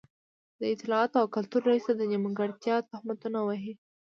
د اطلاعاتو او کلتور رئيس ته د نیمګړتيا تهمتونه وهي.